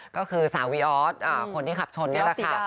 ก็คือสาววีออสคนที่ขับชนนี่แหละค่ะ